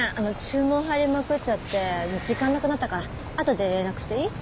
注文入りまくっちゃって時間なくなったからあとで連絡していい？